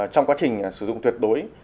trong quá trình sử dụng tuyệt đối